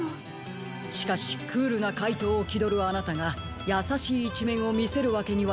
しかしクールなかいとうをきどるあなたがやさしいいちめんをみせるわけにはいかない。